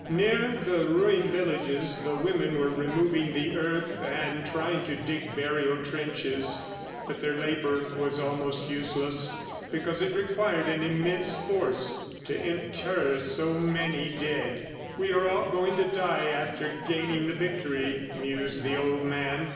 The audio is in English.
Near the ruined villages, the women were removing the earth and trying to dig burial trenches, but their labor was almost useless because it required an immense force to inter so many dead. "We are all going to die after gaining the victory," mused the old man.